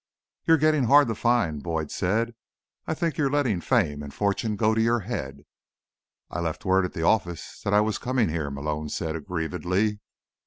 "You're getting hard to find," Boyd said. "I think you're letting fame and fortune go to your head." "I left word at the office that I was coming here," Malone said aggrievedly.